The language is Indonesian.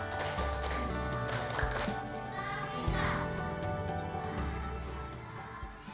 untuk mereka kita kita